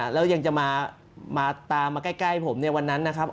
แล้วยังจะมาตามมาใกล้ผมในวันนั้นนะครับ